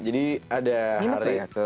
jadi ada hari